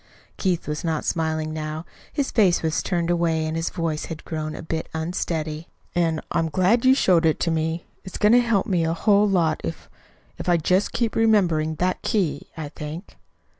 Keith was not smiling now. His face was turned away and his voice had grown a bit unsteady. "And I'm glad you showed it to me. It's going to help me a whole lot if if I'll just keep remembering that key, I think."